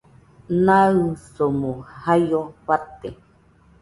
Naɨsomo jaio fate